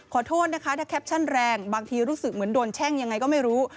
ขอโทษนะคะถ้าแคปชั่นแรงบางทีรู้สึกเหมือนโดนแช่งยังไงก็ไม่รู้